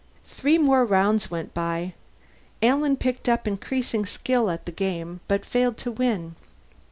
Three more rounds went by; Alan picked up increasing skill at the game, but failed to win.